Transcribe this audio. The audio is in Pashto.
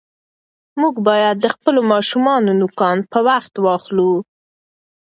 موږ باید د خپلو ماشومانو نوکان په وخت واخلو.